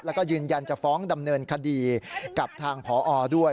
แล้วก็ยืนยันจะฟ้องดำเนินคดีกับทางพอด้วย